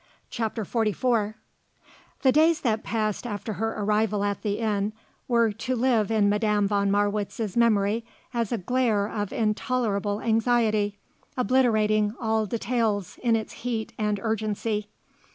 CHAPTER XLIV The days that passed after her arrival at the inn were to live in Madame von Marwitz's memory as a glare of intolerable anxiety, obliterating all details in its heat and urgency.